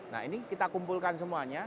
nah ini kita kumpulkan semuanya